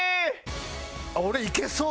俺いけそう！